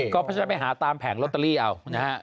เพราะฉะนั้นไปหาตามแผงลอตเตอรี่เอานะฮะ